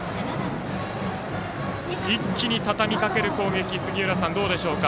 一気にたたみかける攻撃杉浦さん、どうでしょうか？